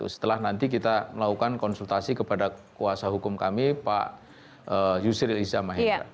setelah nanti kita melakukan konsultasi kepada kuasa hukum kami pak yusri elisa maheda